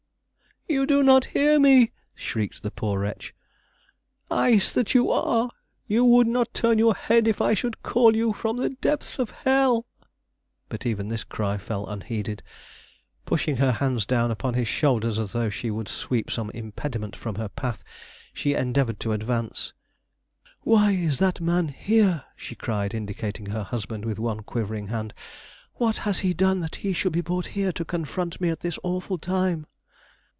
"You do not hear me!" shrieked the poor wretch. "Ice that you are, you would not turn your head if I should call to you from the depths of hell!" But even this cry fell unheeded. Pushing her hands down upon his shoulders as though she would sweep some impediment from her path, she endeavored to advance. "Why is that man here?" she cried, indicating her husband with one quivering hand. "What has he done that he should be brought here to confront me at this awful time?"